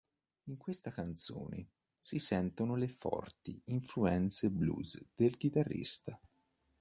In questa canzone si sentono le forti influenze blues del chitarrista.